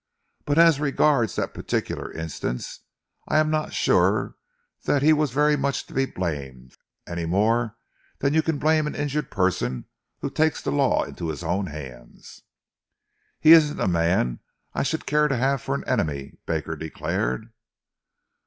But as regards that particular instance, I am not sure that he was very much to be blamed, any more than you can blame any injured person who takes the law into his own hands." "He isn't a man I should care to have for an enemy," Baker declared.